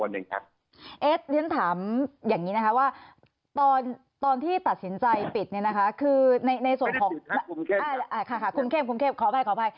เอ๊ะฉันถามอย่างงี้นะคะว่าตอนที่ตัดสินใจปิดเนี่ยนะคะ